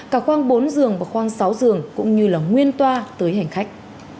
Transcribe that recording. cả khoang bốn giường và khoang sáu giường cũng như là nguyên toa tới hành khách